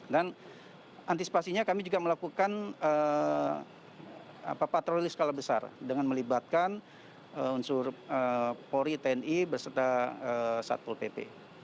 dan antisipasinya kami juga melakukan patroli skala besar dengan melibatkan unsur polri tni berserta satpol pp